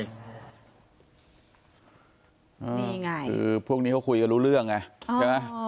นี่ไงคือพวกนี้เขาคุยกันรู้เรื่องไงใช่ไหม